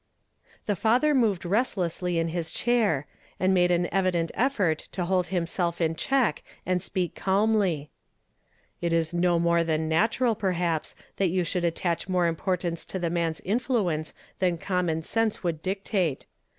The father moved restJ ssly in his chair, and made an evident effort to hold hi.iself in check and speak calmly. "It is no more than natural, perhaps, that you shotild attach more importance t the man's inthi ence than common sense would dictate.